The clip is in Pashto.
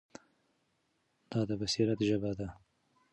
دا د بصیرت ژبه ده.